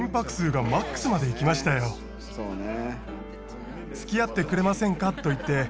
そうね。